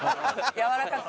やわらかく。